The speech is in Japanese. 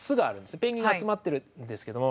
ペンギンが集まってるんですけれども。